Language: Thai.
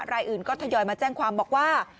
รายอื่นก็ทยอยมาแจ้งความบอกว่า